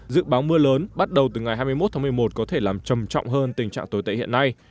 dự báo mưa lớn bắt đầu từ ngày hai mươi một tháng một mươi một có thể làm trầm trọng hơn tình trạng tồi tệ hiện nay